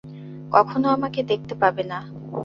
কখনো আমাকে দেখতে পাবে না।